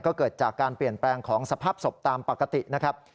ก็เกิดจากการเปลี่ยนแปลงของสภาพศพตามปกตินะครับ